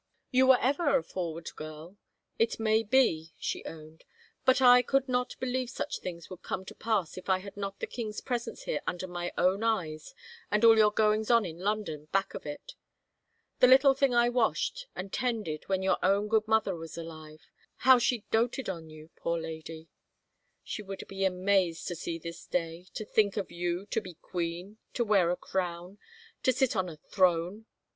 " You were ever a f roward girl — it may be," she owned, " but I could not believe such things would come to pass if I had not the king's presence here under my own eyes and all your goings on in London back of it. The little thing I washed and tended when your own good mother was alive — how she doted on you, poor 165 THE FAVOR OF KINGS lady 1 She would be amazed to see this day — to think of you to be queen — to wear a crown — to sit on a throne